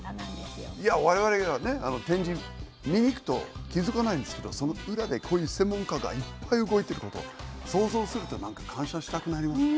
いや我々がね展示見に行くと気付かないんですけどその裏でこういう専門家がいっぱい動いてること想像すると何か感謝したくなりますね。